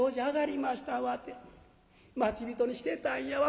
わて待ち人にしてたんやわ。